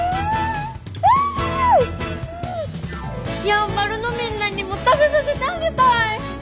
やんばるのみんなにも食べさせてあげたい！